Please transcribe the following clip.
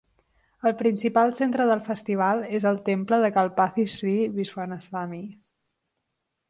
El principal centre del festival és el temple de Kalpathy Sree Viswanathaswamy.